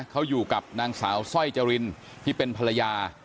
เขาอยู่กับนางสาวสร้อยจรินที่เป็นภรรยา